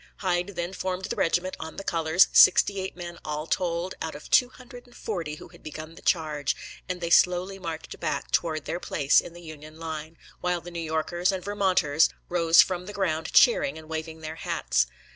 Hyde then formed the regiment on the colors, sixty eight men all told, out of two hundred and forty who had begun the charge, and they slowly marched back toward their place in the Union line, while the New Yorkers and Vermonters rose from the ground cheering and waving their hats.